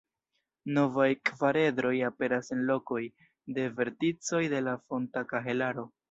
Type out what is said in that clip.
Novaj kvaredroj aperas en lokoj de verticoj de la fonta kahelaro.